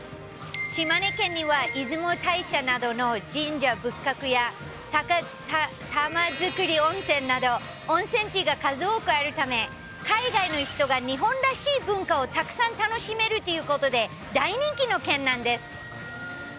島根県には出雲大社などの神社仏閣や、玉造温泉など、温泉地が数多くあるため、海外の人が日本らしい文化をたくさん楽しめるということで、大人気の県なんです。